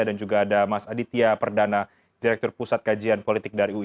dan juga ada mas aditya perdana direktur pusat kajian politik dari ui